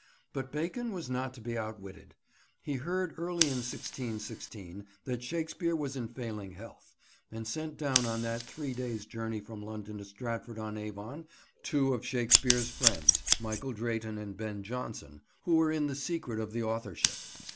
But Bacon was not to be outwitted. He heard early in 1616 that Shakespeare was in failing health, and sent down on that three days' journey from London to Stratford on Avon two of Shakespeare's friends, Michael Drayton and Ben Jonson, who were in the secret of the authorship.